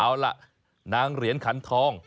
เอาล่ะนางเหรียญขันทอง